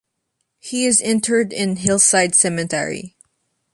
He is interred in Hillside Cemetery.